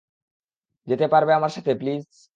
যেত পারবে আমার সাথে, প্লিজ?